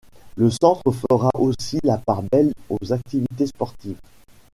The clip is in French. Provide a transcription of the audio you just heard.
Le centre fera aussi la part belle aux activités sportives.